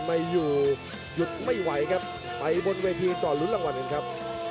หยุดไม่ไหวครับไปบนเวทีก่อนรุนรางวัลหนึ่งครับ